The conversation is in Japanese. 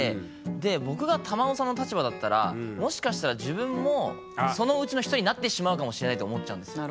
で僕が瑶生さんの立場だったらもしかしたら自分もそのうちの一人になってしまうかもしれないと思っちゃうんですよ。